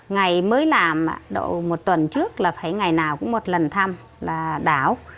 ngày mới làm một tuần trước là phải ngày nào cũng một lần thăm là đảo